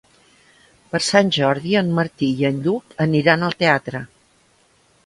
Per Sant Jordi en Martí i en Lluc aniran al teatre.